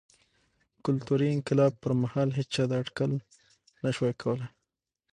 کلتوري انقلاب پر مهال هېچا دا اټکل نه شوای کولای.